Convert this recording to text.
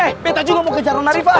eh betta juga mau kejar nona riva